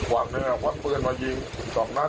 วักเนื้อวักปืนมายิงสองนัด